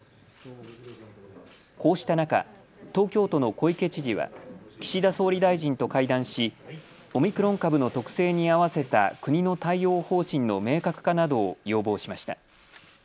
こうした中、東京都の小池知事は岸田総理大臣と会談しオミクロン株の特性に合わせた国の対応方針の明確化などを要望しました。